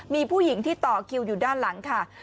มีผู้หญิงที่ต่อคิวอยู่ด้านหลังค่ะ